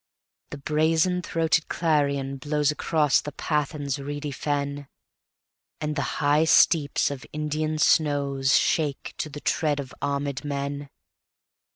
The brazen throated clarion blowsAcross the Pathan's reedy fen, And the high steeps of Indian snowsShake to the tread of armèd men.